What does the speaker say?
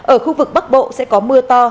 ở khu vực bắc bộ sẽ có mưa to